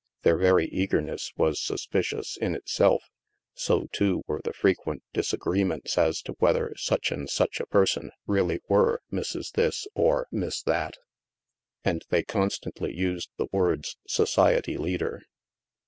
Their very eagerness was suspicious in itself; so, too, were the frequent disagreements as to whether such and such a person really were " Mrs. This " or " Miss That." And they constantly used the words " society leader."